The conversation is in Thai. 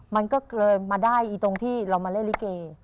มันก็เลยมาได้ตรงที่เรามาเล่นลิเก